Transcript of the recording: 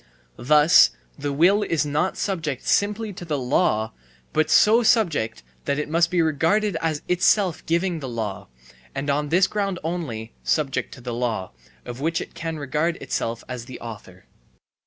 Thus the will is not subject simply to the law, but so subject that it must be regarded as itself giving the law and, on this ground only, subject to the law (of which it can regard itself as the author).